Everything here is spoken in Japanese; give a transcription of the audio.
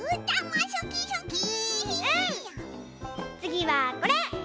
つぎはこれ！